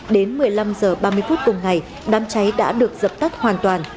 đến một mươi năm h ba mươi phút cùng ngày đám cháy đã được dập tắt hoàn toàn